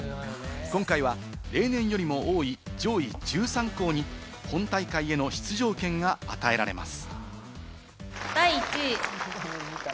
今回は例年よりも多い、上位１３校に本大会への出場権が与えられます。